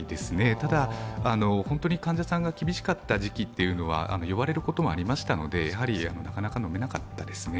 ただ、患者さんが厳しかった時期というのは言われることもありましたのでなかなか飲めなかったですね。